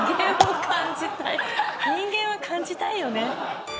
人間は感じたいよね。